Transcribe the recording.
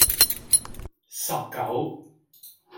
十九